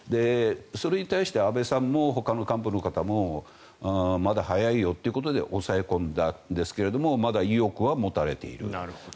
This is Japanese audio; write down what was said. それに対して安倍さんもほかの幹部の方もまだ早いよということで抑え込んだんですけどまだ意欲は持たれている。